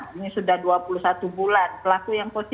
ini sudah dua puluh satu bulan